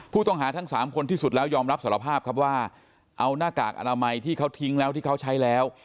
ผู้ต้องหาทั้งสามคนที่สุดแล้วยอมรับสารภาพครับว่าเอาหน้ากากอนามัยที่เขาทิ้งแล้วที่เขาใช้แล้ว